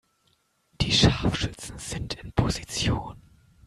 Die Scharfschützen sind in Position.